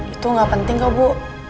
itu gak penting kok bu